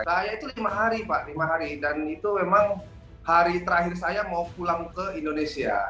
saya itu lima hari pak lima hari dan itu memang hari terakhir saya mau pulang ke indonesia